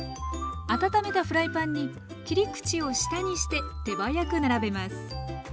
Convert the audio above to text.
温めたフライパンに切り口を下にして手早く並べます。